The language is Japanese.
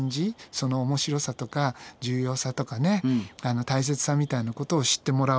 その面白さとか重要さとかね大切さみたいなことを知ってもらおうっていうね